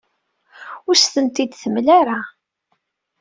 Ur asent-ten-id-temla ara.